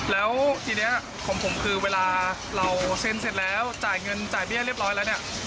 แล้วทีนี้ของผมคือเวลาเราเซ็นเสร็จแล้วจ่ายเงินจ่ายเบี้ยเรียบร้อยแล้วเนี่ย